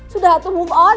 sudah tuh move on